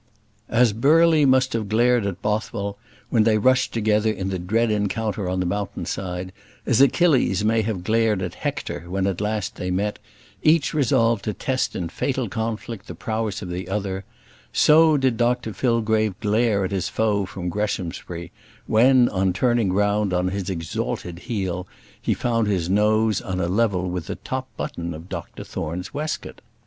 As Burley must have glared at Bothwell when they rushed together in the dread encounter on the mountain side; as Achilles may have glared at Hector when at last they met, each resolved to test in fatal conflict the prowess of the other, so did Dr Fillgrave glare at his foe from Greshamsbury, when, on turning round on his exalted heel, he found his nose on a level with the top button of Dr Thorne's waistcoat.